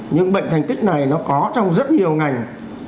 những bệnh thành tích này nó có trong rất nhiều ngành